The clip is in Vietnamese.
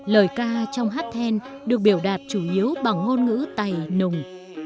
lời ca trong hát then được biểu đạt chủ yếu bằng ngôn ngữ tày nùng